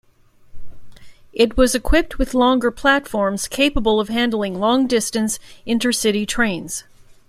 It was equipped with longer platforms capable of handling long-distance intercity trains.